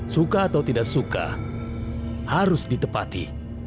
suka atau tidak suka harus ditepati